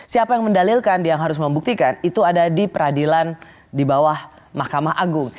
siapa yang mendalilkan yang harus membuktikan itu ada di peradilan di bawah mahkamah agung